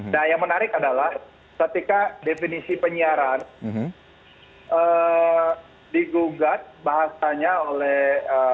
nah yang menarik adalah ketika definisi penyiaran digugat bahasanya oleh